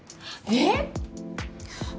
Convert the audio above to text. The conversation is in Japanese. えっ？